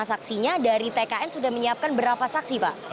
lima saksinya dari tkn sudah menyiapkan berapa saksi pak